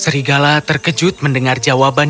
serigala terkejut mendengar jawaban